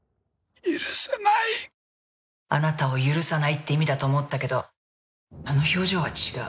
あなたを許さないって意味だと思ったけどあの表情は違う。